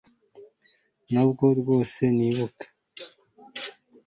Ntabwo rwose nibuka